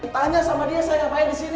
tanya sama dia saya ngapain disini